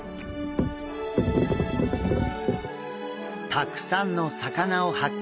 たくさんの魚を発見！